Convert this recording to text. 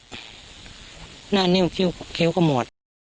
หน้านิ่มคิ้วก็หมด